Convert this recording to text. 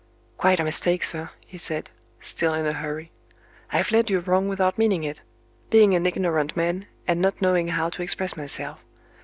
"Quite a mistake, sir," he said, still in a hurry. "I've led you wrong without meaning it being an ignorant man, and not knowing how to express myself.